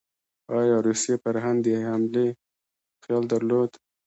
ایا روسیې پر هند د حملې خیال درلود؟